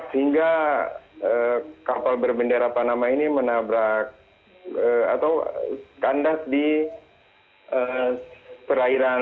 sehingga kapal berbendera panama ini menabrak atau kandas di perairan